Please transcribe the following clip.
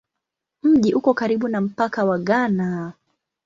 Mji uko karibu na mpaka wa Ghana.